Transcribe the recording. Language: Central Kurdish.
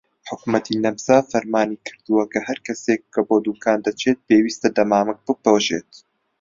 حکومەتی نەمسا فەرمانی دەرکردووە کە هەر کەسێک کە بۆ دوکان دەچێت پێویستە دەمامکێک بپۆشێت.